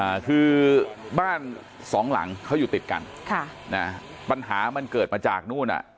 อ่าคือบ้านสองหลังเขาอยู่ติดกันค่ะนะปัญหามันเกิดมาจากนู่นอ่ะ